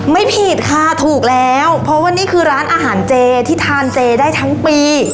ไม่ผิดค่ะถูกแล้วเพราะว่านี่คือร้านอาหารเจที่ทานเจได้ทั้งปี